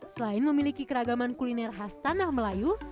selain memiliki keragaman kuliner khas tanah melayu